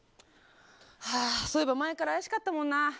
はあそういえば前から怪しかったもんな。